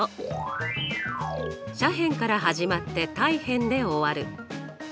斜辺から始まって対辺で終わる。